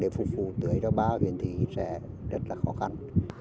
để phục vụ tới ba huyện thị sẽ rất là khó khăn